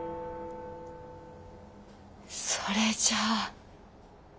それじゃ。